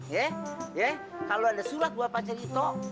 ya ya kalau ada surat buat pacar ito